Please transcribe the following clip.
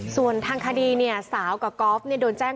ส่วนทางคดีเนี่ยสาวกับกอล์ฟโดนแจ้ง